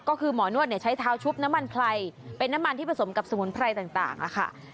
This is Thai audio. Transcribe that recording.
ก็คือหมอนวดใช้เท้าชุบน้ำมันไพรเป็นน้ำมันที่ผสมกับสมุนไพรต่างค่ะ